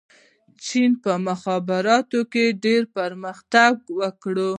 چین په مخابراتو کې ډېر پرمختګ وکړ.